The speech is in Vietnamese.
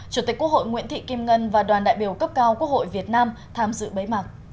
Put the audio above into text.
chủ tịch quốc hội nguyễn thị kim ngân và đoàn đại biểu cấp cao quốc hội việt nam tham dự bế mạc